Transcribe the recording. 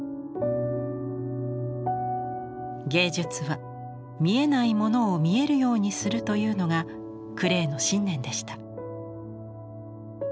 「芸術は見えないものを見えるようにする」というのがクレーの信念でした。